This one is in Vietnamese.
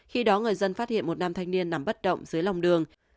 khi đó người dân phát hiện một nam thanh niên nằm bất động dưới lòng đường